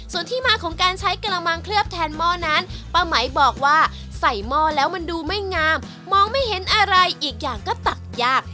ส่วนที่มาของการใช้กระมังเคลือบแทนหม้อนั้นป้าไหมบอกว่าใส่หม้อแล้วมันดูไม่งามมองไม่เห็นอะไรอีกอย่างก็ตัดยาก